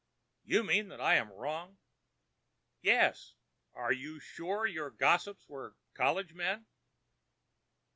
"You mean that I am wrong." "Yes. Are you sure your gossips were 'college men'?"